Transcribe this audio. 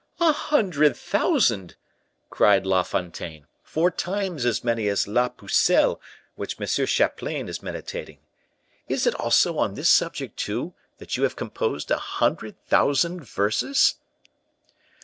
"A hundred thousand!" cried La Fontaine. "Four times as many as 'La Pucelle,' which M. Chaplain is meditating. Is it also on this subject, too, that you have composed a hundred thousand verses?"